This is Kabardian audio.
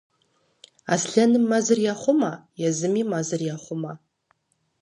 Аслъэным мэзыр ехъумэ, езыми мэзыр ехъумэ.